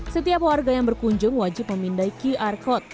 setiap warga yang berkunjung wajib memindai qr code